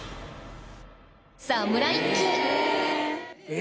え！